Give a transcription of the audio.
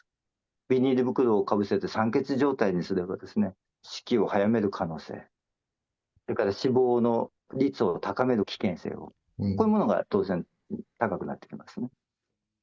ビニール袋をかぶせて、酸欠状態にすれば、死期を早める可能性、それから死亡の率を高める危険性、こういうものが当然高くなってきますね。